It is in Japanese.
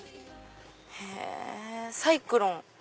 へぇ「サイクロン」。